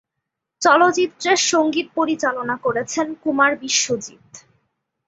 চলচ্চিত্রের সঙ্গীত পরিচালনা করেছেন কুমার বিশ্বজিৎ।